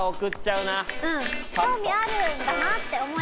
うん興味あるんだなって思えるから。